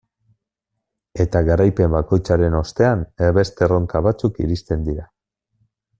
Eta garaipen bakoitzaren ostean beste erronka batzuk iristen dira.